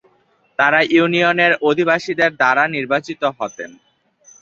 তারা ইউনিয়নের অধিবাসীদের দ্বারা নির্বাচিত হতেন।